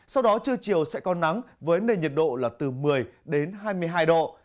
sau đó trưa chiều sẽ có nắng với nền nhiệt độ là từ một mươi đến hai mươi hai độ